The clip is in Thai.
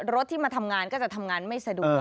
รถที่มาทำงานก็จะทำงานไม่สะดวก